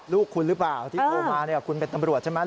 ลูกคุณหรือเปล่าที่โทรมาคุณเป็นตำรวจใช่ไหม